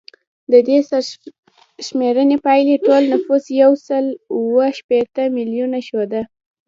د دې سرشمېرنې پایلې ټول نفوس یو سل اووه شپیته میلیونه ښوده